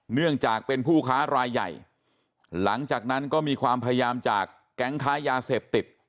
เนื่องจากเป็นผู้ค้ารายใหญ่หลังจากนั้นก็มีความพยายามจากแก๊งค้ายาเสพติด